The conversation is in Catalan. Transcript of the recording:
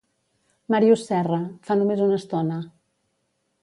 Màrius Serra, fa només una estona.